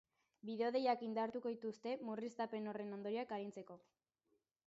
Bideodeiak indartuko dituzte, murriztapen horren ondorioak arintzeko.